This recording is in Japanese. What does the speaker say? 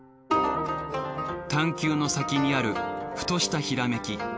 探究の先にあるふとしたひらめき。